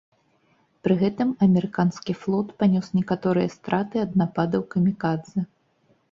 Пры гэтым амерыканскі флот панёс некаторыя страты ад нападаў камікадзэ.